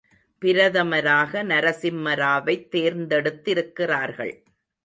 பிரதமராக நரசிம்மராவைத் தேர்ந்தெடுத் திருக்கிறார்கள்.